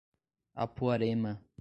Apuarema